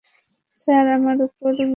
Sir, আমার উপর বিরক্ত হবেন না।